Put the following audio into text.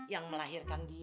yang melahirkan dia